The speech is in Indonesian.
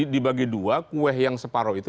dibagi dua kueh yang separuh itu